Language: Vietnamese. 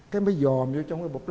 cái mới dòm vô trong cái bột lá đó